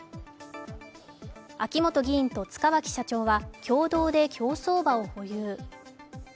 秋本議員と塚脇社長は共同で競走馬を保有。